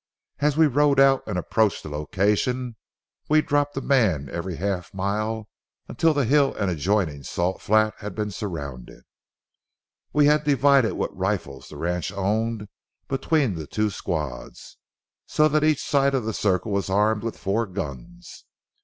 As we rode out and approached the location, we dropped a man every half mile until the hill and adjoining salt flat had been surrounded. We had divided what rifles the ranch owned between the two squads, so that each side of the circle was armed with four guns.